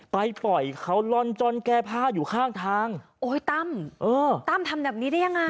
ไปปล่อยเขาลอนจนแก่พาอยู่ข้างทางตั้มทำแบบนี้ได้ยังไง